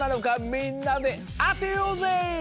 みんなであてようぜ！